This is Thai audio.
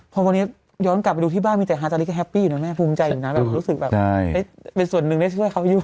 พอวันนี้ย้อนกลับไปดูที่บ้านมีแต่ฮาตาลิก็แฮปปี้อยู่นะแม่ภูมิใจอยู่นะแบบรู้สึกแบบเป็นส่วนหนึ่งได้ช่วยเขาอยู่